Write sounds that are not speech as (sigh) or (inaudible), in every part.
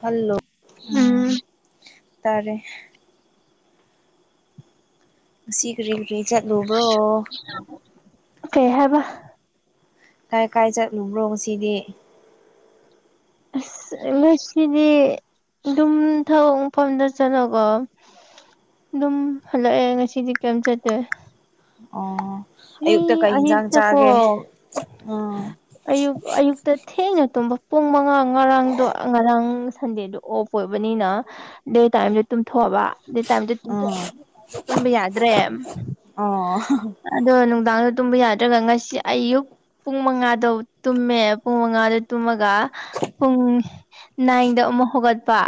Hello ꯎꯝ ꯇꯔꯦ ꯉꯁꯤ ꯀꯔꯤ ꯀꯔꯤ ꯆꯠꯂꯨꯕ꯭ꯔꯣ ꯀꯩ ꯍꯥꯏꯕ ꯀꯥꯏ ꯀꯥꯏ ꯆꯠꯂꯨꯕ꯭ꯔꯣ ꯉꯁꯤꯗꯤ ꯑꯁ ꯉꯁꯤꯗꯤ ꯑꯗꯨꯝ ꯊꯕꯛ ꯃꯐꯝꯗ ꯆꯠꯂꯣꯀꯣ ꯑꯗꯨꯝ ꯍꯜꯂꯛꯑꯦ ꯉꯁꯤꯗꯤ ꯀꯩꯝ ꯆꯠꯇ꯭ꯔꯦ ꯑꯣ ꯑꯌꯨꯛꯇ ꯀꯩ ꯌꯦꯟꯁꯥꯡ ꯑꯌꯨꯛꯇꯀꯣ ꯆꯥꯒꯦ ꯎꯝ ꯇ ꯊꯦꯡꯅ ꯇꯨꯝꯕ ꯄꯨꯡ ꯃꯉꯥ ꯉꯔꯥꯡꯗꯣ ꯉꯔꯥꯡ ꯁꯟꯗꯦꯗꯣ ꯑꯣꯐ ꯑꯣꯏꯕꯅꯤꯅ ꯗꯦ ꯇꯥꯏꯝꯁꯦ ꯇꯨꯝꯊꯣꯛꯑꯕ ꯗꯦ ꯇꯥꯢꯝ ꯎꯝ (unintelligible) ꯇꯨꯝꯕ ꯌꯥꯗ꯭ꯔꯦ ꯑꯣ ꯑꯗꯣ ꯅꯨꯡꯗꯥꯡꯗꯣ ꯇꯨꯝꯕ ꯌꯥꯗ꯭ꯔꯒ ꯉꯁꯤ ꯑꯌꯨꯛ ꯄꯨꯡ ꯃꯉꯥꯗꯣ ꯇꯨꯝꯃꯦ ꯄꯨꯡ ꯃꯉꯥꯗꯣ ꯇꯨꯝꯃꯒ ꯄꯨꯡ ꯅꯥꯏꯟꯗ ꯑꯃꯨꯛ ꯍꯧꯒꯠꯄ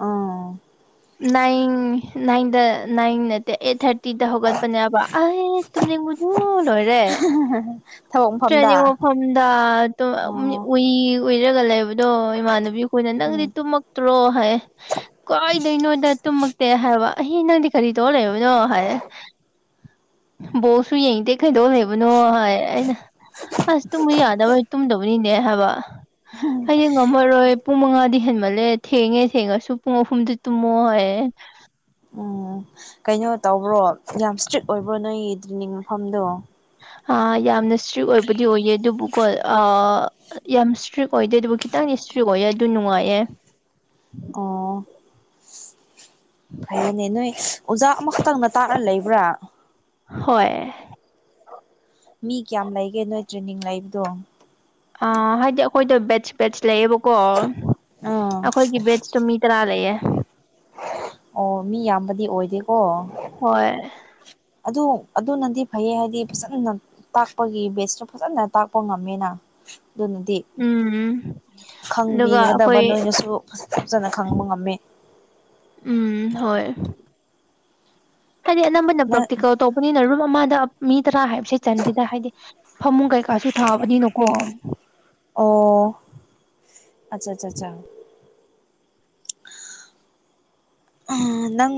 ꯑꯥ ꯅꯥꯏꯟ ꯅꯥꯏꯟꯗ ꯅꯥꯏꯟ ꯅꯠꯇꯦ ꯑꯩꯠ ꯊꯥꯔꯇꯤꯗ ꯍꯧꯒꯠꯄꯅꯦꯕ ꯑꯩ ꯇꯨꯝꯅꯤꯡꯕꯨꯗꯨꯨ ꯂꯣꯏꯔꯦ (unintelligible) ꯃꯐꯝꯗ ꯇ꯭ꯔꯦꯟꯅꯤꯡ ꯃꯐꯝꯗ ꯑꯗꯨꯝ ꯑꯣ ꯎꯨꯢꯔꯥ ꯎꯨꯢꯔꯒ ꯂꯩꯕ ꯑꯗꯣ ꯏꯃꯥꯟꯅꯕꯤ ꯑꯩꯈꯣꯏꯅ ꯅꯪꯗꯤ ꯎꯝ ꯇꯨꯝꯃꯛꯇ꯭ꯔꯣ ꯍꯥꯏ ꯀꯥꯏꯏꯡꯗꯣꯏꯩꯅꯣꯗ ꯇꯨꯝꯃꯛꯇꯦ ꯍꯥꯏꯕ ꯑꯍꯤ ꯅꯪꯗꯤ ꯀꯔꯤ ꯇꯧꯔ ꯂꯩꯕꯅꯣ ꯍꯥꯏꯌꯦ꯫ ꯕꯣꯜꯁꯨ ꯌꯦꯡꯗꯦ ꯀꯩꯗꯧ ꯂꯩꯕꯅꯣ ꯍꯥꯏ ꯑꯩꯅ ꯑꯁ ꯇꯨꯝꯕ ꯌꯥꯗꯕꯧ ꯇꯨꯝꯗꯕꯅꯤꯅꯦ ꯍꯥꯏꯕ ꯍꯌꯦꯡ ꯉꯝꯃꯔꯣꯏ꯫ ꯄꯨꯡ ꯃꯉꯥꯗꯤ ꯍꯦꯟꯃꯜꯂꯦ ꯊꯦꯡꯉꯦ ꯊꯦꯡꯉꯁꯨ ꯄꯨꯡ ꯑꯍꯨꯝꯗꯤ ꯇꯨꯝꯃꯣ ꯍꯥꯏꯌꯦ꯫ ꯎꯝ ꯀꯩꯅꯣ ꯇꯧꯕ꯭ꯔꯣ꯫ ꯌꯥꯝ ꯏꯁꯇ꯭ꯔꯤꯛ ꯑꯣꯏꯕ꯭ꯔꯣ ꯅꯣꯏꯒꯤ ꯗ꯭ꯔꯤꯅꯤꯡ ꯃꯐꯝꯗꯣ꯫ ꯍꯥ ꯌꯥꯝꯅ ꯏꯁꯇ꯭ꯔꯤꯛ ꯑꯣꯏꯕꯗꯤ ꯑꯣꯏꯌꯦ ꯑꯗꯨꯕꯨꯀꯣ ꯑꯥ ꯌꯥꯝ ꯏꯁꯇ꯭ꯔꯤꯛ ꯑꯣꯏꯗꯦ ꯑꯗꯨꯕꯨ ꯈꯤꯇꯪꯗꯤ ꯏꯁꯇ꯭ꯔꯤꯛ ꯑꯣꯏꯌꯦ ꯑꯗꯨ ꯅꯨꯡꯉꯥꯏꯌꯦ꯫ ꯑꯣ꯫ ꯐꯔꯦꯅꯦ ꯅꯣꯏ ꯑꯣꯖꯥ ꯑꯃꯈꯛꯇꯪꯅ ꯇꯥꯛꯔ ꯂꯩꯕ꯭ꯔꯥ꯫ ꯍꯣꯏ꯫ ꯃꯤ ꯀꯌꯥꯝ ꯂꯩꯒꯦ ꯅꯣꯏ ꯇ꯭ꯔꯦꯅꯤꯡ ꯂꯩꯕꯗꯣ꯫ ꯑ ꯍꯥꯏꯗꯤ ꯑꯩꯈꯣꯏꯗ ꯕꯦꯠꯁ ꯕꯦꯠꯁ ꯂꯩꯌꯦꯕꯀꯣ ꯑꯥ ꯑꯩꯈꯣꯏꯒꯤ ꯕꯦꯠꯁꯇꯣ ꯃꯤ ꯇꯔꯥ ꯂꯩꯌꯦ꯫ ꯑꯣ ꯃꯤ ꯌꯥꯝꯕꯗꯤ ꯑꯣꯏꯗꯦꯀꯣ꯫ ꯍꯣꯏ꯫ ꯑꯗꯨ ꯑꯗꯨꯅꯗꯤ ꯐꯩꯌꯦ ꯍꯥꯏꯗꯤ ꯐꯖꯅ ꯉꯝ ꯇꯥꯛꯄꯒꯤ ꯕꯦꯁꯁꯨ ꯐꯖꯅ ꯇꯥꯛꯄ ꯉꯝꯃꯦꯅ ꯑꯗꯨꯅꯗꯤ꯫ ꯎꯝ ꯑꯗꯨꯒ ꯈꯪꯕꯤꯒꯗꯕ ꯑꯩꯈꯣꯏ ꯅꯣꯏꯅꯁꯨ ꯐꯖꯅ ꯈꯪꯕ ꯉꯝꯃꯤ꯫ ꯎꯝ ꯍꯣꯏ꯫ ꯍꯥꯏꯗꯤ ꯑꯅꯝꯕꯅ ꯅꯪ ꯄ꯭ꯔꯥꯛꯇꯤꯀꯦꯜ ꯇꯧꯕꯅꯤꯅ ꯔꯨꯝ ꯑꯃꯗ ꯃꯤ ꯇꯔꯥ ꯍꯥꯏꯕꯁꯦ ꯆꯟꯗꯤꯗ ꯍꯥꯏꯗꯤ ꯐꯃꯨꯡ ꯀꯩꯀꯥꯁꯨ ꯊꯥꯕꯅꯤꯅꯀꯣ꯫ ꯑꯣ ꯑꯆꯥ ꯆꯥ ꯆꯥ꯫ ꯅꯪ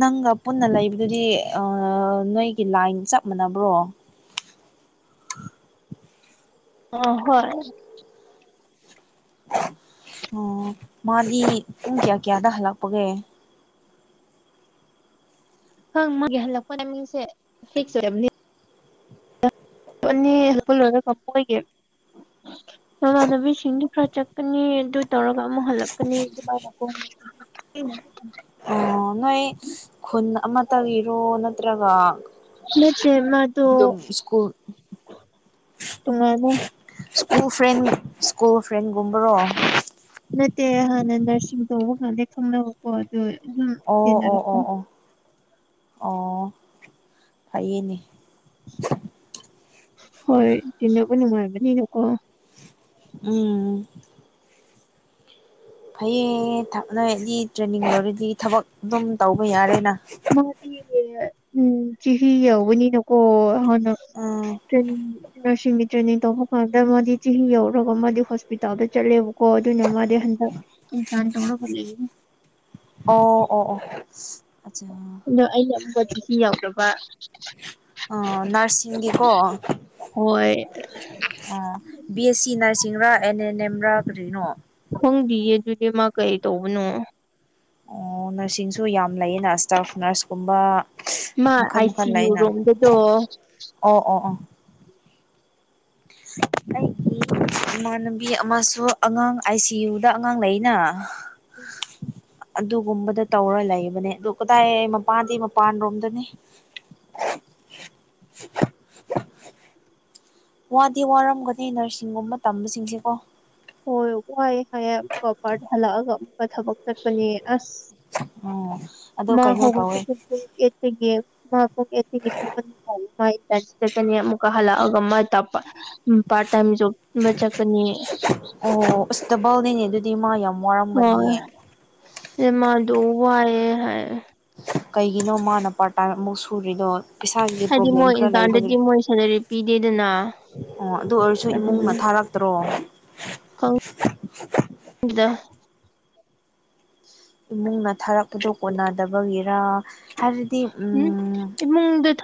ꯅꯪꯒ ꯄꯨꯟꯅ ꯂꯩꯕꯗꯨꯗꯤ ꯑꯥ ꯅꯣꯏꯒꯤ ꯂꯥꯏꯟ ꯆꯞ ꯃꯥꯟꯅꯕ꯭ꯔꯣ꯫ (inaudible) ꯑ ꯍꯣꯏ꯫ ꯑꯣ ꯃꯥꯗꯤ ꯄꯨꯡ ꯀꯌꯥ ꯀꯌꯥꯗ ꯍꯜꯂꯛꯄꯒꯦ꯫ (inaudible) (inaudible) (inaudible) ꯃꯃꯥꯟꯅꯕꯤ ꯁꯤꯡꯗꯤ ꯈꯔ ꯆꯠꯀꯅꯤ ꯑꯗꯨ ꯇꯧꯔꯒ ꯑꯃꯨꯛ ꯍꯜꯂꯛꯀꯅꯤ ꯑꯗꯨꯃꯥꯏꯅꯀꫭ꯫ (inaudible) ꯑꯣ ꯅꯣꯏ ꯈꯨꯟ ꯑꯃꯇꯒꯤꯔꯣ ꯅꯠꯇ꯭ꯔꯒ ꯅꯠꯇꯦ ꯃꯥꯗꯣ ꯑꯗꯨꯝ ꯁ꯭ꯀꯨꯜ ꯇꯣꯉꯜꯂꯦ꯫ ꯁ꯭ꯀꯨꯜ ꯐ꯭ꯔꯦꯟ ꯁ꯭ꯀꯨꯜ ꯐ꯭ꯔꯦꯟ ꯒꯨꯝꯕꯔꯣ꯫ ꯅꯠꯇꯦ ꯍꯥꯟꯅ ꯅꯔꯁꯤꯡ ꯇꯧꯕꯀꯥꯟꯗꯩ ꯈꯡꯅꯕꯀꯣ ꯑꯗꯨ ꯑꯗꯨꯝ ꯑꯣ ꯑꯣ ꯇꯤꯟꯅꯔꯛꯄ꯫ ꯑꯣ ꯑꯣ ꯑꯣ ꯐꯩꯌꯦꯅꯦ꯫ ꯍꯣꯏ ꯇꯤꯟꯅꯕ ꯅꯨꯡꯉꯥꯏꯕꯅꯤꯅꯀꯣ꯫ ꯎꯝ꯫ ꯐꯩꯌꯦ ꯊꯞꯅꯔꯗꯤ ꯇ꯭ꯔꯦꯅꯤꯡ ꯂꯣꯏꯔꯗꯤ ꯊꯕꯛ ꯑꯗꯨꯝ ꯇꯧꯕ ꯌꯥꯔꯦꯅ꯫ (inaudible) ꯎꯝ (unintelligible) ꯅꯔꯁꯤꯡꯒꯤ ꯇ꯭ꯔꯦꯅꯤꯡ ꯇꯧꯕ ꯀꯥꯟꯗ ꯃꯥꯗꯤ ꯆꯍꯤ ꯌꯧꯔꯒ ꯃꯥꯗꯤ ꯍꯣꯁꯄꯤꯇꯥꯜꯗ ꯆꯠꯂꯦꯕꯀꯣ ꯑꯗꯨꯅ ꯃꯥꯗꯤ ꯍꯟꯗꯛ (inaudible) ꯑꯣ ꯑꯣ ꯑꯣ꯫ ꯑꯆꯥ꯫ (inaudible) ꯑꫭ ꯅꯔꯁꯤꯡꯗꯤꯀꯣ꯫ ꯍꯣꯏ꯫ ꯑꫭ꯫ B S C ꯅꯔꯁꯤꯡꯔꯥ and and ꯑꯦꯝꯔꯥ ꯀꯔꯤꯅꯣ꯫ ꯈꯪꯗꯤꯌꯦ ꯑꯗꯨꯗꯤ ꯃꯥ ꯀꯩ ꯇꯧꯕꯅꯣ꯫ ꯑꯣ ꯅꯔꯁꯤꯡꯁꯨ ꯌꯥꯝ ꯂꯩꯌꯦꯅ ꯁ꯭ꯇꯥꯐ ꯅꯔꯁꯀꯨꯝꯕꯥ꯫ ꯃꯥ ꯑꯥꯏ ꯁꯤ ꯌꯨ ꯔꯣꯝꯗꯗꯣ ꯑꯣ ꯑꯣ ꯑꯣ꯫ ꯑꯩꯒꯤ ꯏꯃꯥꯟꯅꯕꯤ ꯑꯃꯁꯨ ꯑꯉꯥꯡ ꯑꯥꯏ ꯁꯤ ꯌꯨꯗ ꯑꯉꯥꯡ ꯂꯩꯅ꯫ (inaudible) ꯑꯗꯨꯒꯨꯝꯕꯗ ꯇꯧꯔ ꯂꯩꯕꯅꯦ ꯑꯗꯨ ꯀꯗꯥꯏ ꯃꯄꯥꯟꯗꯤ ꯃꯄꯥꯟ ꯔꯣꯝꯗꯅꯤ꯫ ꯋꯥꯗꯤ ꯋꯥꯔꯝꯒꯅꯤ ꯅꯔꯁꯤꯡꯒꯨꯝꯕ ꯇꯝꯕꯁꯤꯡꯁꯦꯀꯣ꯫ ꯍꯣꯏ ꯋꯥꯑꯦ ꯍꯥꯏꯌꯦ ꯑꯃꯨꯛꯀ ꯄꯥꯔꯗ ꯍꯜꯂꯛꯑꯒ ꯑꯃꯨꯛꯀ ꯊꯕꯛ ꯆꯠꯄꯅꯦ ꯑꯁ꯫ ꯑꯣ꯫ (inaudible) ꯑꯗꯣ ꯀꯩꯅꯣ ꯇꯧꯋꯦ ꯆꯠꯀꯅꯤ ꯑꯃꯨꯛꯀ ꯍꯜꯂꯛꯑꯒ ꯃꯥꯏ ꯇꯥꯛꯄ ꯄꯥꯔꯠ ꯇꯥꯏꯝ ꯖꯣꯕ ꯑꯃ ꯆꯠꯀꯅꯤ꯫ ꯑꯣ ꯎꯁ ꯇꯕꯜꯅꯤꯅꯦ ꯑꯗꯨꯗꯤ ꯃꯥ ꯌꯥꯝ ꯋꯥꯔꯝꯒꯅꯤꯌꯦ꯫ ꯅꯦ ꯃꯥꯗꯣ ꯋꯥꯌꯦ ꯍꯥꯏꯌꯦ꯫ ꯀꯩꯒꯤꯅꯣ ꯃꯥꯅ ꯄꯥꯔꯇꯥꯏꯝ ꯑꯃꯨꯛ ꯁꯨꯔꯤꯗꯣ꯫ ꯄꯩꯁꯥꯒꯤ ꯍꯥꯏꯗꯤ ꯄ꯭ꯔꯣꯕ꯭ꯂꯦꯝ ꯃꯣꯏ ꯈꯔ ꯏꯟꯇꯔꯟꯗꯗꯤ ꯂꯩꯕꯒꯤ ꯃꯣꯏ ꯁꯦꯂꯔꯤ ꯄꯤꯗꯦꯗꯅ꯫ ꯑꯣ ꯑꯗꯨ ꯑꯣꯏꯔꯁꯨ ꯑꯗꯨꯒꯤ ꯏꯃꯨꯡꯅ ꯊꯥꯔꯛꯇ꯭ꯔꯣ꯫ (unintelligible) ꯏꯃꯨꯡꯅ ꯊꯥꯔꯛꯄꯗꯨꯣ ꯀꯣꯟꯅꯗꯕꯒꯤꯔ ꯍꯥꯏꯔꯗꯤ ꯎꯝ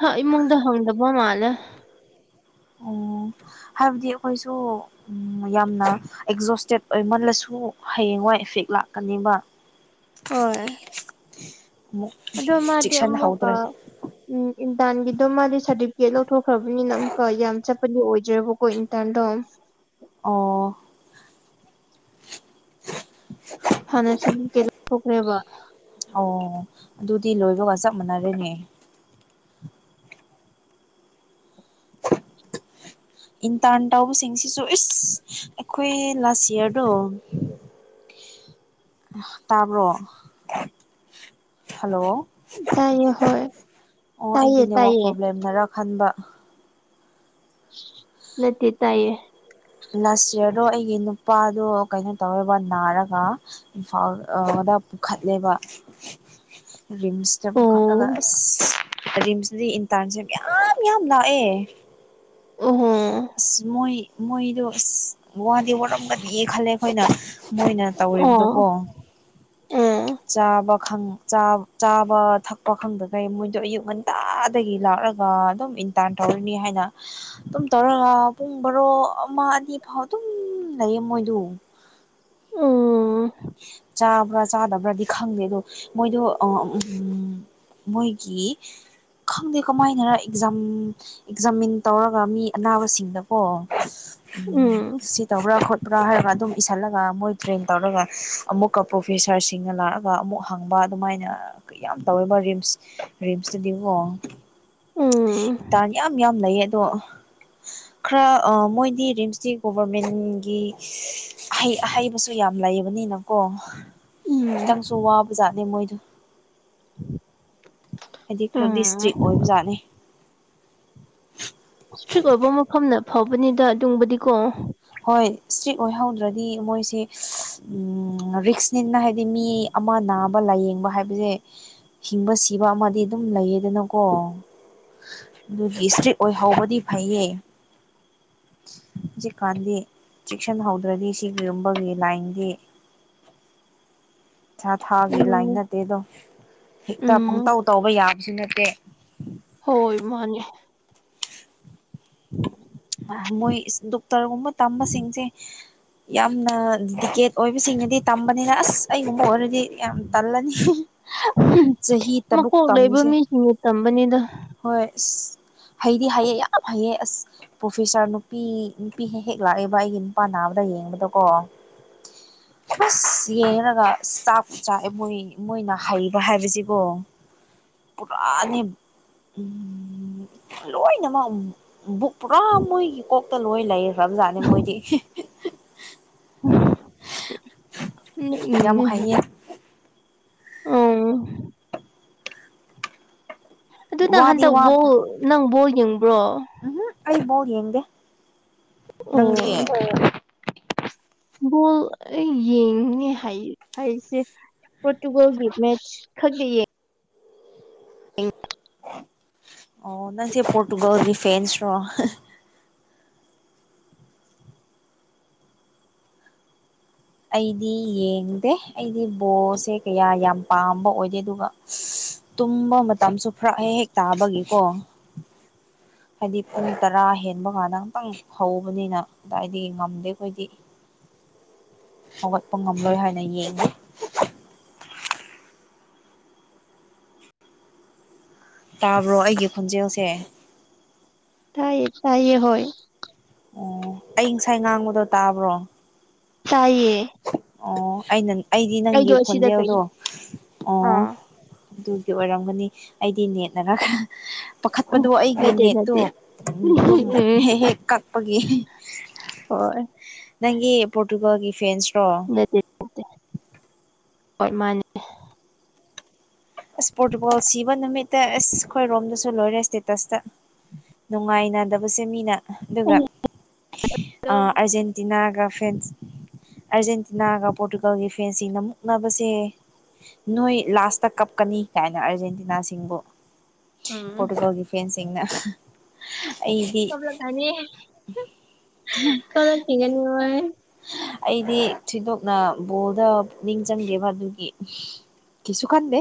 ꯍ ꯏꯃꯨꯡꯗ ꯍꯪꯗꯕ ꯃꯥꯜꯂꯦ꯫ ꯑꯣ ꯍꯥꯏꯕꯗꯤ ꯑꯩꯈꯣꯏꯁꯨ ꯌꯥꯝꯅ ꯑꯦꯛꯖꯣꯁꯇꯦꯠ ꯑꯣꯏꯃꯜꯂꯁꯨ ꯍꯌꯦꯡꯋꯥꯏ ꯏꯐꯦꯛ ꯂꯥꯛꯀꯅꯤꯕ꯫ ꯍꯣꯏ ꯑꯃꯨꯛ ꯑꯗꫭ ꯃꯥꯗꯤ ꯑꯃꯨꯛꯀ ꯆꯦꯛꯁꯤꯟꯍꯧꯗ꯭ꯔꯦ ꯎꯝ ꯏꯟꯇꯥꯟꯒꯤꯗꯣ ꯃꯥꯗꯤ ꯁꯥꯔꯇꯤꯐꯤꯀꯦꯠ ꯂꯧꯊꯣꯛꯈ꯭ꯔꯕꯅꯤꯅ ꯑꯃꯨꯛꯀ ꯌꯥꯝ ꯆꯠꯄꯗꯤ ꯑꯣꯏꯗ꯭ꯔꯦꯕꯀꯣ ꯏꯟ ꯇꯔꯟꯗꫭ꯫ ꯑꯣ꯫ (inaudible) ꯑꯣ ꯑꯗꯨꯗꯤ ꯂꯣꯏꯕꯒ ꯆꯞ ꯃꯥꯟꯅꯔꯦꯅꯦ꯫ ꯏꯟꯇꯥꯔꯟ ꯇꯧꯕꯁꯤꯡꯁꯤꯁꯨ ꯏꯁ ꯑꯩꯈꯣꯏ ꯂꯥꯁ ꯏꯌꯥꯔꯗꯣ꯫ ꯇꯥꯕ꯭ꯔꯣ ꯍꯜꯂꯣ꯫ ꯇꯥꯏꯌꯦ ꯍꯣꯏ ꯑꯣ ꯑꯩꯒꯤ ꯇꯥꯏꯌꯦ ꯅꯦꯠꯋꯥꯛ ꯇꯥꯏꯌꯦ ꯄ꯭ꯔꯣꯕ꯭ꯂꯦꯝꯅꯔ ꯈꯟꯕ꯫ ꯅꯠꯇꯦ ꯇꯥꯏꯌꯦ꯫ ꯂꯥꯁ ꯌꯌꯥꯔꯗꯣ ꯑꯩꯒꯤ ꯅꯨꯄꯥꯗꯣ ꯀꯩꯅꯣ ꯇꯧꯋꯦꯕ ꯅꯥꯔꯒ꯫ ꯏꯝꯐꯥꯎ ꯑꯣꯗ ꯄꯨꯈꯠꯂꯦꯕ꯫ ꯔꯤꯝꯁꯇ ꯄꯨꯨꯈꯠꯂꯒ ꯑꯣ ꯑꯁ ꯔꯤꯝꯁꯗꯤ ꯏꯟꯇꯥꯔꯟꯁꯦ ꯃꯌꯥꯝ ꯌꯥꯝ ꯂꯥꯛꯑꯦ꯫ ꯑꯣꯍꯣ꯫ ꯑꯁ ꯃꯣꯏ ꯃꯣꯏꯗꯣ ꯑꯁ ꯋꯥꯗꯤ ꯋꯥꯔꯝꯒꯅꯤꯌꯦ ꯈꯜꯂꯦ ꯑꯩꯈꯣꯏꯅ ꯃꯣꯏꯅ ꯇꯧꯔꯤꯕꯗꯣ ꯑꯣ ꯀꯣ ꯑꯣ ꯆꯥꯕ ꯈꯪ ꯆꯥꯕ ꯊꯛꯄ ꯈꯪꯗꯒꯩ ꯃꯣꯏꯗꯣ ꯑꯌꯨꯛ ꯉꯟꯇꯥꯗꯒꯤ ꯂꯥꯛꯔ ꯑꯗꯨꯝ ꯏꯟꯇꯥꯟ ꯇꯧꯔꯅꯤ ꯍꯥꯏꯅ ꯑꯗꯨꯝ ꯇꯧꯔꯒ ꯄꯨꯡ ꯕꯔꯣ ꯑꯃ ꯑꯅꯤ ꯐꯥꯎ ꯑꯗꯨꯝ ꯂꯩꯌꯦ ꯃꯣꯏꯗꯨ ꯎꯝ ꯆꯥꯕ꯭ꯔꯥ ꯆꯥꯗꯕ꯭ꯔꯥꯗꯤ ꯈꯪꯗꯦ ꯑꯗꯣ ꯃꯣꯏꯗꯣ ꯑ ꯎꯝ ꯃꯣꯏꯒꯤ ꯈꯪꯗꯦ ꯀꯃꯥꯏꯅꯔ ꯑꯦꯛꯖꯥꯝ ꯑꯦꯛꯖꯥꯃꯤꯟ ꯇꯧꯔꯒ ꯃꯤ ꯑꯅꯥꯕꯁꯤꯡꯗꯀꯣ ꯎꯝ ꯁꯤ ꯇꯧꯕ꯭ꯔꯥ ꯈꯣꯠꯄ꯭ꯔꯥ ꯍꯥꯏꯔꯒ ꯑꯗꯨꯝ ꯏꯁꯁꯜꯂꯒ ꯃꯣꯏ ꯇ꯭ꯔꯦꯟ ꯇꯧꯔꯒ ꯑꯃꯨꯛꯀ ꯄ꯭ꯔꯣꯐꯦꯁꯥꯔꯁꯤꯡꯅ ꯂꯥꯛꯑꯒ ꯑꯃꯨꯛ ꯍꯪꯕ ꯑꯗꯨꯃꯥꯏꯅ ꯀꯌꯥꯝ ꯇꯧꯋꯦꯕ ꯔꯤꯝꯁ ꯔꯤꯝꯁꯇꯗꯤꯀꯣ ꯎꯝ ꯏꯟꯇꯔꯟ ꯌꯥꯝ ꯌꯥꯝ ꯂꯩꯌꯦ ꯑꯗꯣ ꯈꯔ ꯑꯥ ꯃꯣꯏꯗꯤ ꯔꯤꯝꯁꯇꯤ ꯒꯣꯚꯔꯃꯦꯟꯒꯤ ꯑꯍꯩ ꯑꯍꯩꯕꯁꯨ ꯌꯥꯝ ꯂꯩꯕꯅꯤꯅꯀꯣ ꯎꯝ ꯈꯤꯇꯪꯁꯨ ꯋꯥꯕꯖꯥꯠꯅꯦ ꯃꯣꯏꯗꯣ ꯍꯥꯏꯗꯤ ꯈꯔꯗꯤ ꯎꯝ ꯁꯇ꯭ꯔꯤꯛ ꯑꯣꯏꯕ ꯖꯥꯠꯅꯦ ꯏꯁꯇ꯭ꯔꯤꯛ ꯑꯣꯏꯕ ꯃꯐꯝꯅ ꯐꯥꯕꯅꯤꯗ ꯑꯗꯨꯝꯕꯨꯗꯤꯀꯣ ꯍꯣꯏ ꯏꯁꯇ꯭ꯔꯤꯛ ꯑꯣꯏꯍꯧꯗ꯭ꯔꯗꯤ ꯃꯣꯏꯁꯦ ꯎꯝ ꯔꯤꯛꯁꯅꯤꯅ ꯍꯥꯏꯗꯤ ꯃꯤ ꯑꯃ ꯅꯥꯕ ꯂꯥꯏꯌꯦꯡꯕ ꯍꯥꯏꯕꯖꯦ ꯍꯤꯡꯕ ꯁꯤꯕ ꯑꯃꯗꯤ ꯑꯗꯨꯝ ꯂꯩꯌꯦꯗꯅꯀꯣ ꯑꯗꯨꯒꯤ ꯏꯁꯇ꯭ꯔꯤꯠ ꯑꯣꯏꯍꯧꯕꯗꯤ ꯐꯩꯌꯦ ꯀꯥꯟꯗꯤ ꯆꯦꯛꯁꯟꯍꯧꯗ꯭ꯔꯗꯤ ꯁꯤꯒꯤꯒꯨꯝꯕꯒꯤ ꯂꯥꯏꯟꯗꯤ (inaudible) ꯊꯥ ꯊꯥꯒꯤ ꯂꯥꯏꯟ ꯎꯝ ꯅꯠꯇꯦꯗꯣ ꯍꯦꯛꯇ ꯎꯝ ꯄꯪꯇꯧ ꯇꯧꯕ ꯌꯥꯕꯁꯨ ꯅꯠꯇꯦ ꯍꯣꯏ ꯃꯥꯅꯦ ꯃꯣꯏ ꯗꯣꯛꯇꯔꯒꯨꯝꯕ ꯇꯝꯕꯁꯤꯡꯁꯦ ꯌꯥꯝꯅ ꯗꯤꯀꯦꯠ ꯑꯣꯏꯕꯁꯤꯡꯅꯗꯤ ꯇꯝꯕꯅꯤꯅ ꯑꯁ ꯑꯩꯒꯨꯝꯕ ꯑꯣꯏꯔꯗꯤ ꯌꯥꯝ ꯇꯜꯂꯅꯤ ꯆꯍꯤ ꯇꯔꯨꯛ ꯃꯀꯣꯛ ꯂꯩꯕ ꯇꯝꯃꯤꯁꯦ ꯃꯤꯁꯤꯡꯅ ꯇꯝꯕꯅꯤꯗ ꯍꯣꯏ ꯑꯁ ꯍꯩꯗꯤ ꯍꯩꯌꯦ ꯌꯥꯝ ꯍꯩꯌꯦ ꯑꯁ ꯄ꯭ꯔꯣꯐꯦꯁꯥꯔ ꯅꯨꯄꯤ ꯅꯨꯄꯤ ꯍꯦꯛ ꯍꯦꯛ ꯂꯥꯛꯑꯦꯕ ꯑꯩꯒꯤ ꯅꯨꯄꯥ ꯅꯥꯕꯗ ꯌꯦꯡꯕꯗꯀꯣ ꯎꯁ ꯌꯦꯡꯉꯒ ꯆꯥꯛ ꯆꯛꯑꯦ ꯃꯣꯏ ꯃꯣꯏꯅ ꯍꯩꯕ ꯍꯥꯏꯕꯖꯤꯕꯣ ꯄꯨꯔꯥꯅꯤ ꯂꯣꯏꯅꯃꯛ ꯕꯨꯛ ꯄꯨꯔꯥ ꯃꯣꯏꯒꯤ ꯀꯣꯛꯇ ꯂꯣꯏ ꯂꯩꯈꯔ꯭ꯕꯖꯥꯠꯅꯤ ꯃꯣꯏꯗꯤ ꯌꯥꯝ ꯅꯣꯛꯅꯤꯡꯉꯦ ꯅꯥ ꯍꯩꯌꯦ ꯑꯗꯨꯅ ꯋꯥꯗꯤ ꯍꯟꯗꯛ ꯋꯥ ꯕꯣꯜ ꯅꯪ ꯕꯣꯜ ꯌꯦꯡꯕ꯭ꯔꯣ ꯎꯝ ꯍꯨꯛ ꯑꯩ ꯕꯣꯜ ꯌꯦꯡꯗꯦ ꯅꯪꯗꯤ ꯑꯣ ꯕꯣꯜ ꯑꯩ ꯌꯦꯡꯅꯤ ꯍꯩ ꯍꯩꯖꯦ ꯄꯣꯔꯇꯨꯒꯜꯒꯤ ꯃꯦꯠꯆ ꯈꯛ ꯌꯦꯌꯦ ꯑꯣ ꯅꯪꯖꯦ ꯄꯔꯣꯇꯨꯒꯜ ꯐꯦꯟꯁꯔꯣ ꯑꯩꯗꯤ ꯌꯦꯡꯗꯦ ꯑꯩꯗꯤ ꯕꯣꯁꯁꯦ ꯀꯌꯥ ꯌꯥꯝ ꯄꯥꯝꯕ ꯑꯣꯏꯗꯦ ꯑꯗꯨꯒ ꯇꯨꯝꯕ ꯃꯇꯝꯁꯨ ꯐꯔꯛ ꯍꯦꯛ ꯍꯦꯛ ꯇꯥꯕꯒꯤꯀꯣ ꯍꯥꯏꯗꯤ ꯄꯨꯡ ꯇꯔꯥ ꯍꯦꯟꯕ ꯉꯥꯟꯗ ꯉꯇꯪ ꯍꯧꯕꯅꯤꯅ ꯀꯗꯥꯏꯗꯒꯤ ꯉꯝꯗꯦ ꯑꯩꯈꯣꯏꯗꯤ ꯍꯧꯒꯠꯄ ꯉꯝꯂꯣꯏ ꯍꯥꯏꯅ ꯌꯦꯡꯗꯦ ꯇꯥꯕ꯭ꯔꯣ ꯑꯩꯒꯤ ꯈꯣꯟꯖꯦꯜꯁꯦ ꯇꯥꯏꯌꯦ ꯇꯥꯏꯌꯦ ꯍꯣꯏ ꯑꯣ ꯑꯩ ꯉꯁꯥꯏ ꯉꯥꯡꯕꯗꯣ ꯇꯥꯕ꯭ꯔꯣ ꯇꯥꯏꯌꯦ ꯑꯣ ꯑꯩꯅ ꯑꯩꯗꯤ ꯅꯪꯒꯤ ꯑꯩꯗꯣ ꯑꯁꯤꯗ ꯈꯣꯟꯖꯦꯜꯗꯣ ꯀꯩꯅꯣ ꯑꯣ ꯑꯥ ꯑꯗꯨꯒꯤ ꯑꯣꯏꯔꯝꯒꯅꯤ ꯑꯩꯗꯤ ꯅꯦꯠꯅꯔꯒ ꯄꯥꯈꯠꯄꯗꯣ ꯑꯩꯒꯤ ꯅꯠꯇꯦ ꯅꯦꯠꯇꯣ ꯅꯠꯇꯦ ꯑꯗꯨꯝ ꯎꯝ ꯍꯦꯛ ꯍꯦꯛ ꯀꯛꯄꯒꯤ ꯍꯣꯏ ꯅꯪꯒꯤ ꯄꯣꯔꯇꯨꯒꯜꯒꯤ ꯐ꯭ꯔꯦꯟꯁ ꯔꯣ ꯍꯣꯢ ꯃꯥꯅꯦ ꯏꯁꯄꯣꯔꯇꯤꯕꯣꯜ ꯁꯤꯕ ꯅꯨꯃꯤꯠꯇ ꯑꯦꯁ ꯑꯩꯈꯣꯏꯔꯣꯝꯗꯁꯨ ꯁꯨ ꯂꯣꯏꯔꯦ ꯁ꯭ꯇꯦꯇꯁꯇ ꯅꯨꯡꯉꯥꯏꯅꯗꯕꯁꯦ ꯃꯤꯅ ꯑꯗꯨꯒ ꯑꯩꯗꯣ ꯑꯔꯖꯦꯟꯇꯤꯅꯥꯒ ꯐ꯭ꯔꯦꯟꯁ ꯑꯥꯔꯖꯦꯟꯇꯤꯅꯥꯒ ꯄꯣꯔꯇꯨꯒꯜꯒꯤ ꯐꯦꯟꯁꯤꯅ ꯃꯨꯛꯅꯕꯁꯦ ꯅꯣꯏ ꯂꯥꯁꯇ ꯀꯥꯞ ꯀꯛꯀꯅꯤ ꯀꯥꯏꯅ ꯑꯥꯔꯖꯦꯟꯇꯤꯅꯥꯁꯤꯡꯕꯨ ꯎꯝ ꯄꯣꯔꯇꯨꯒꯜꯒꯤ ꯐꯦꯟꯁꯤꯡꯅ ꯑꯩꯗꯤ ꯀꯥꯞꯂꯛꯒꯅꯤ ꯀꯥꯞꯂꯛꯈꯤꯒꯅꯤ ꯃꯣꯢ ꯑꯩꯗꯤ ꯊꯣꯏꯗꯣꯛꯅ ꯕꯣꯜꯗ ꯄꯨꯛꯅꯤꯡ ꯆꯪꯗꯦꯕ ꯑꯗꯨꯒꯤ ꯀꯩꯁꯨ ꯈꯥꯟꯗꯦ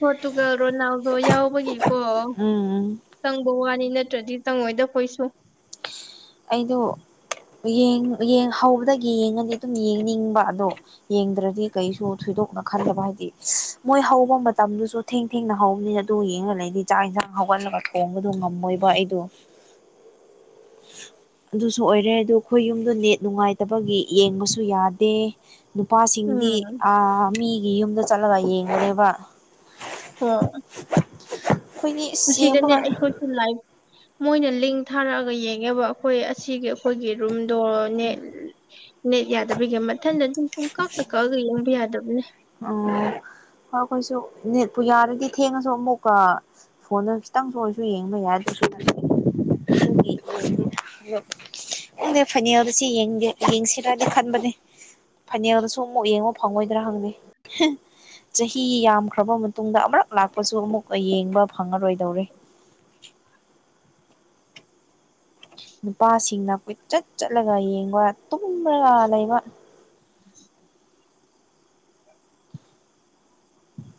ꯄꯣꯠꯇꯨꯒꯜ ꯔꯣꯅꯥꯟꯗꯣ ꯌꯥꯎꯕꯒꯤꯀꯣ ꯎꯝ ꯆꯪꯕ ꯋꯥꯅꯤ ꯅꯠꯇ꯭ꯔꯗꯤ ꯆꯪꯉꯣꯏꯗ ꯈꯣꯏꯁꯨ ꯑꯩꯗꯣ ꯍꯧꯕꯗꯒꯤ ꯌꯦꯡꯉꯗꯤ ꯑꯗꯨꯝ ꯌꯦꯡꯅꯤꯡꯕ ꯑꯗꯣ ꯌꯦꯡꯗ꯭ꯔꯗꯤ ꯀꯩꯁꯨ ꯊꯣꯏꯗꯣꯛꯅ ꯈꯟꯗꯦꯕ ꯍꯥꯏꯗꯤ ꯃꯣꯏ ꯍꯧꯕ ꯃꯇꯝꯗꯨꯁꯨ ꯊꯦꯡ ꯊꯦꯡꯅ ꯍꯧꯕꯅꯤꯅ ꯑꯗꯨ ꯌꯦꯡꯒꯜꯂꯗꯤ ꯆꯥꯛ ꯏꯟꯁꯥꯡ ꯍꯧꯒꯠꯂꯒ ꯊꯣꯡꯕꯗꯨ ꯉꯝꯃꯣꯏꯕ ꯑꯩꯗꯣ ꯑꯗꯨꯁꯨ ꯑꯣꯏꯔꯦ ꯑꯗꯣ ꯑꯩꯈꯣꯏ ꯌꯨꯝꯗꯣ ꯅꯦꯠ ꯅꯨꯡꯉꯥꯏꯇꯕꯒꯤ ꯌꯦꯡꯕꯁꯨ ꯌꯥꯗꯦ ꯅꯨꯄꯥꯁꯤꯡꯗꯤ ꯎꯝ ꯃꯤꯒꯤ ꯌꯨꯝꯗ ꯆꯠꯂꯒ ꯌꯦꯡꯉꯦ ꯀꯔꯤꯕ ꯍꯣꯏ ꯑꯁꯤꯗꯅꯦ ꯑꯩꯈꯣꯏꯁꯨ ꯂꯥꯏꯚ ꯃꯣꯏꯅ ꯂꯤꯡ ꯊꯥꯔꯛꯑꯒ ꯌꯦꯡꯉꯦꯕ ꯑꯩꯈꯣꯏ ꯑꯁꯤꯒꯤ ꯑꯩꯈꯣꯏꯒꯤ ꯔꯨꯝꯗꯣ ꯅꯦꯠ ꯅꯦꯠ ꯌꯥꯗꯕꯒꯤ ꯃꯊꯟꯗ ꯄꯨꯡ ꯄꯨꯡꯀꯛꯇ ꯀꯛꯑꯒ ꯌꯦꯡꯕ ꯌꯥꯗꯕꯅꯦ ꯑꯣ ꯍꯣꯏ ꯑꯩꯈꯣꯏꯁꯨ ꯅꯦꯠꯄꯨ ꯌꯥꯔꯗꯤ ꯊꯦꯡꯉꯁꯨ ꯑꯃꯨꯛꯀ ꯐꯣꯟꯗ ꯈꯤꯇꯪꯁꯨ ꯌꯦꯡꯕ ꯑꯣꯏꯔꯁꯨ ꯌꯦꯡꯕ ꯌꯥꯏ (unintelligible) ꯈꯪꯗꯦ ꯐꯥꯏꯅꯦꯜꯗꯁꯤ ꯌꯦꯡꯒꯦ ꯌꯦꯡꯁꯤꯔꯗꯤ ꯈꯟꯕꯅꯦ ꯐꯥꯏꯅꯦꯜꯗꯁꯨ ꯑꯃꯨꯛ ꯌꯦꯡꯕ ꯐꯪꯉꯣꯏꯗ꯭ꯔꯥ ꯈꯪꯗꯦ ꯆꯍꯤ ꯌꯥꯝꯈ꯭ꯔꯕ ꯃꯇꯨꯡꯗ ꯑꯃꯔꯛ ꯂꯥꯛꯄꯁꯨ ꯑꯃꯨꯛ ꯌꯦꯡꯕ ꯐꯪꯉꯔꯣꯏꯗꯧꯔꯦ ꯅꯨꯄꯥꯁꯤꯡꯅ ꯀꯣꯏꯆꯠ ꯆꯠꯂꯒ ꯌꯦꯡꯕ ꯇꯨꯝꯔꯒ ꯂꯩꯕ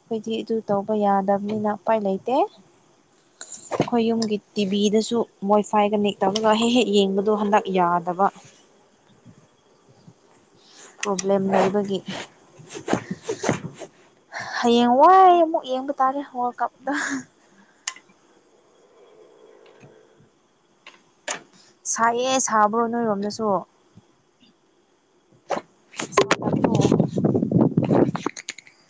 ꯑꯩꯈꯣꯏꯗꯤ ꯑꯗꯨ ꯇꯧꯕ ꯌꯥꯗꯕꯅꯤꯅ ꯎꯄꯥꯏ ꯂꯩꯇꯦ ꯑꯩꯈꯣꯏ ꯌꯨꯝꯒꯤ ꯇꯤꯚꯤꯗꯁꯨ ꯋꯥꯏ ꯐꯥꯏ ꯀꯅꯦꯛ ꯇꯧꯔꯒ ꯍꯦꯛ ꯍꯦꯛ ꯌꯦꯡꯕꯗꯣ ꯍꯟꯗꯛ ꯌꯥꯗꯕ ꯄ꯭ꯔꯣꯕ꯭ꯂꯦꯝ ꯂꯩꯕꯒꯤ ꯍꯌꯦꯡꯋꯥꯏ ꯑꯃꯨꯛ ꯌꯦꯡꯕ ꯇꯥꯔꯦ ꯋꯥꯔꯜ ꯀꯞꯇꯣ ꯁꯥꯏꯌꯦ ꯁꯥꯕ꯭ꯔꯣ ꯅꯣꯏꯔꯣꯝꯗꯁꯨ (unintelligible)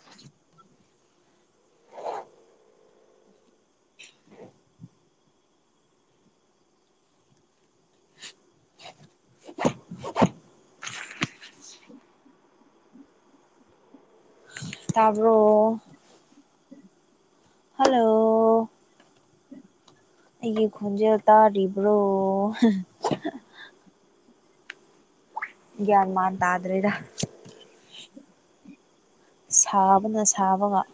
ꯇꯥꯕ꯭ꯔꯣ ꯍꯜꯂꯣ ꯑꯩꯒꯤ ꯈꯣꯟꯖꯦꯜ ꯇꯥꯔꯤꯕ꯭ꯔꯣ ꯒ꯭ꯌꯥꯟ ꯃꯥꯟ ꯇꯥꯗ꯭ꯔꯦꯗ ꯁꯥꯕꯅ ꯁꯥꯕꯒ